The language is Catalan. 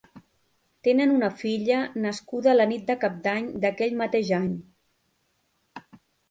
Tenen una filla, nascuda la nit de Cap d'Any d'aquell mateix any.